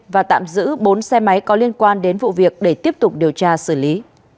và tạm giữ bốn xe máy có liên quan đến vụ việc để tiếp tục điều tra xử lý